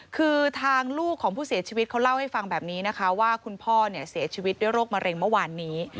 คือทางลูกของผู้เสียชีวิตเขาเล่าให้ฟังแบบนี้นะคะว่าคุณพ่อเนี่ยเสียชีวิตด้วยโรคมะเร็งเมื่อวานนี้